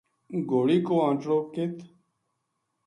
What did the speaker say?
گھوڑی کو انٹڑو ک